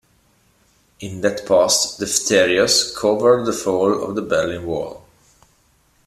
In that post, Defterios covered the fall of the Berlin Wall.